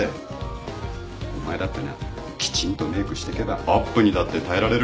お前だってなきちんとメークしてけばアップにだって耐えられる。